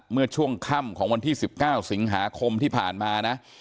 เมื่อช่วงค่ำของวันที่๑๙สิงหาคมที่ผ่านมานะ